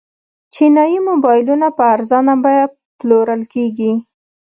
چینايي موبایلونه په ارزانه بیه پلورل کیږي.